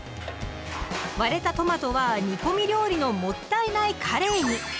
割れたトマトは煮込み料理の「もったいないカレー」に！